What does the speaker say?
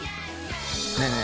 ねえねえ。